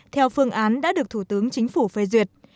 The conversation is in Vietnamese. theo phương án đã được thủ tướng chính phủ phê duyệt